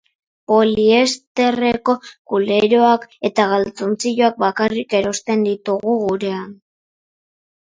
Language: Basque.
Poliesterreko kuleroak eta galtzontziloak bakarrik erosten ditugu gurean.